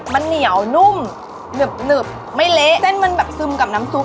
มันเหนียวนุ่มหนึบไม่เละเส้นมันแบบซึมกับน้ำซุป